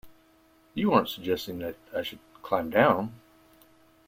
You aren't suggesting that I should climb down?